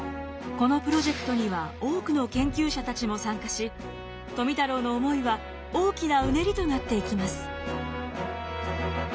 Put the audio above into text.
このプロジェクトには多くの研究者たちも参加し富太郎の思いは大きなうねりとなっていきます。